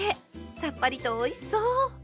さっぱりとおいしそう！